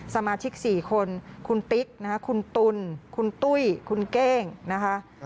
สมาชิก๔คนคุณติ๊กนะคะคุณตุ๋นคุณตุ้ยคุณเก้งนะคะ